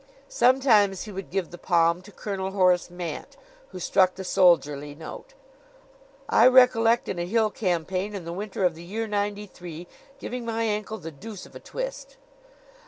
Sometimes he would give the palm to Colonel Horace Mant, who struck the soldierly note "I recollect in a hill campaign in the winter of the year '93 giving my ankle the deuce of a twist."